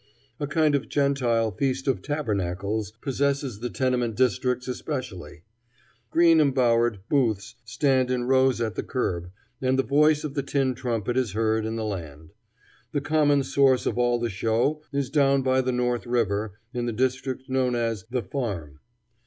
A kind of Gentile Feast of Tabernacles possesses the tenement districts especially. Green embowered booths stand in rows at the curb, and the voice of the tin trumpet is heard in the land. The common source of all the show is down by the North River, in the district known as "the Farm."